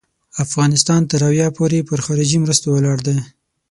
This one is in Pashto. افغانستان تر اویا پوري پر خارجي مرستو ولاړ دی.